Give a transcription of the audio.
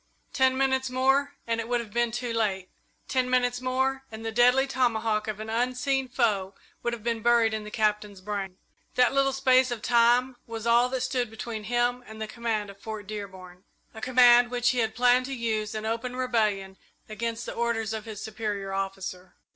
Ten minutes more and it would have been too late. Ten minutes more and the deadly tomahawk of an unseen foe would have been buried in the Captain's brain. That little space of time was all that stood between him and the command of Fort Dearborn a command which he had planned to use in open rebellion against the orders of his superior officer.